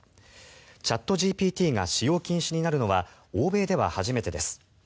チャットＧＰＴが使用禁止になるのは欧米では初めてです。